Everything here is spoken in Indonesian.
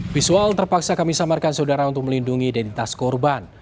visual terpaksa kami samarkan saudara untuk melindungi identitas korban